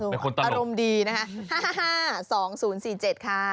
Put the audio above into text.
เป็นคนตลกอารมณ์ดีนะคะ๕๕๕๒๐๔๗ค่ะ